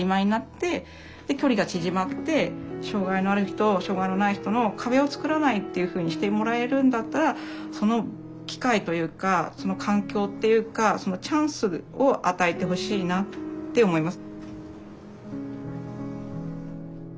で距離が縮まって障害のある人障害のない人の壁をつくらないっていうふうにしてもらえるんだったらその機会というかその環境っていうかそのチャンスを与えてほしいなって思います。